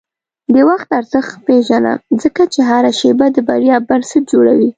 د وخت ارزښت پېژنه، ځکه چې هره شېبه د بریا بنسټ جوړوي.